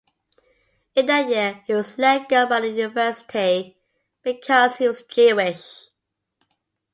In that year, he was let go by the university because he was Jewish.